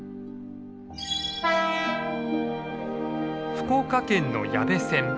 福岡県の矢部線。